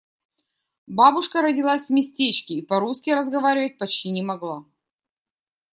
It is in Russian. Бабушка родилась в местечке и по-русски разговаривать почти не могла.